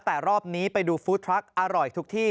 แต่รอบนี้ไปดูฟู้ดทรัคอร่อยทุกที่